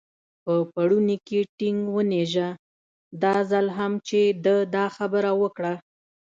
په پوړني کې ټینګ ونېژه، دا ځل هم چې ده دا خبره وکړه.